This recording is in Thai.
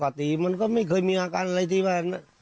ปกติมันก็ไม่เคยมีอาการอะไรที่ว่า